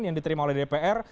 yang diterima oleh dpr